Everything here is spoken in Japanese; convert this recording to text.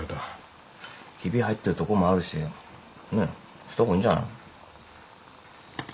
ひび入ってるとこもあるしねえした方がいいんじゃない？